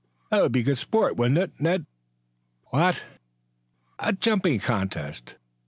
"That would be good sport, wouldn't it, Ned?" "What?" "A jumping contest!"